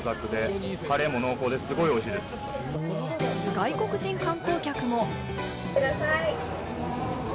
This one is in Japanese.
外国人観光客も。